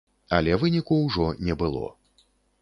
Але выніку ўжо не было.